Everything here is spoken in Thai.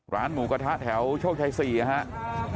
ร้านหมูกระทะแถวโชคชัย๔นะครับ